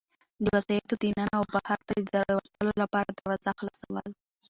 د وسایطو د ننه او بهرته د وتلو لپاره دروازه خلاصول.